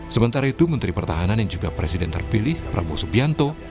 sementara itu menteri pertahanan yang juga presiden terpilih prabowo subianto